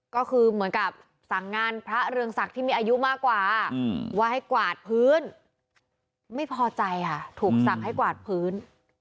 ก็คือเหมือนกับสั่งงานพระเรืองศักดิ์ที่มีอายุมากกว่าว่าให้กวาดพื้นไม่พอใจค่ะถูกสั่งให้กวาดพื้น